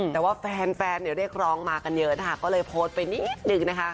แต่ว่าแฟนเนี่ยเรียกร้องมากันเยอะนะคะก็เลยโพสต์ไปนิดนึงนะคะ